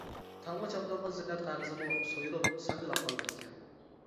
تامغا چاپلانغان زىننەت قەغىزىمۇ سويۇلۇپ ساڭگىلاپ قالغانىكەن.